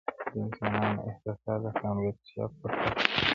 o د انسانانو احساسات د کامرې تر شا پټ پاته کيږي,